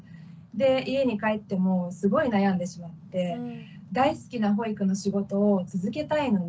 で家に帰ってもすごい悩んでしまって大好きな保育の仕事を続けたいのに。